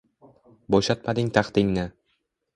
Bo’shatmading taxtingni?